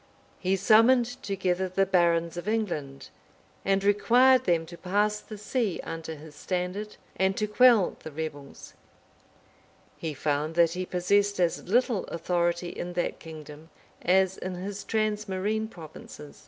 He summoned together the barons of England, and required them to pass the sea under his standard, and to quell the rebels: he found that he possessed as little authority in that kingdom as in his transmarine provinces.